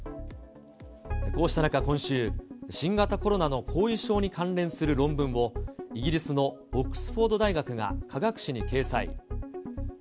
こうした中、今週、新型コロナの後遺症に関連する論文を、イギリスのオックスフォード大学が科学誌に掲載。